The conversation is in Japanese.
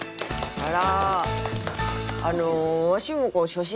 あら！